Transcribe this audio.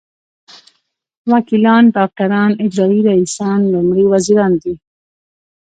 وکیلان ډاکټران اجرايي رییسان لومړي وزیران دي.